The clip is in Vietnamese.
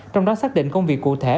trong đó xác định công việc cụ thể